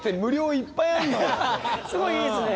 すごいいいですね。